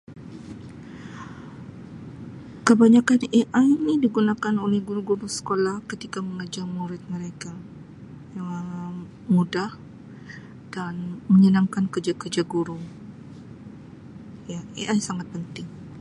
Kebanyakkan AI ni digunakan oleh guru-guru sekolah ketika mengajar mengajar murid mereka Um mudah dan menyenangkan kerja-kerja guru. Ya AI sangat penting.